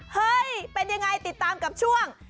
เฮ้ยเป็นยังไงติดตามกับช่วง